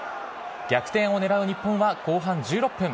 逆転をねらう日本は後半１６分。